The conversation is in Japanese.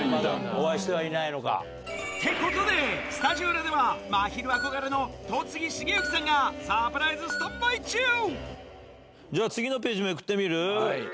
お会いしてはいないのか。ってことで、スタジオ裏ではまひる憧れの戸次重幸さんがサプライズスタンバイじゃあ、次のページ、めくってみる？